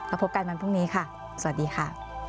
พบกันวันพรุ่งนี้ค่ะสวัสดีค่ะ